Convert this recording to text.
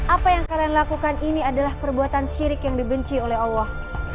apa yang kalian lakukan ini adalah perbuatan syirik yang dibenci oleh allah